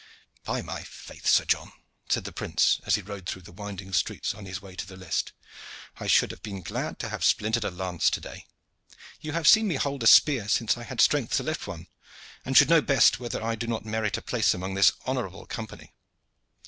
"By my faith! Sir John," said the prince as he rode through the winding streets on his way to the list, "I should have been glad to have splintered a lance to day. You have seen me hold a spear since I had strength to lift one, and should know best whether I do not merit a place among this honorable company."